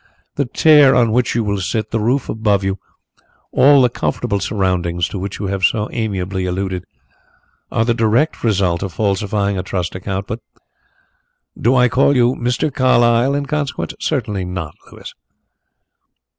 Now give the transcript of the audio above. "The chair on which you will sit, the roof above you, all the comfortable surroundings to which you have so amiably alluded, are the direct result of falsifying a trust account. But do I call you 'Mr. Carlyle' in consequence? Certainly not, Louis."